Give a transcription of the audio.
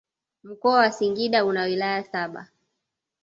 Mkoa wa singida una wilaya saba